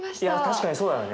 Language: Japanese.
確かにそうだよね。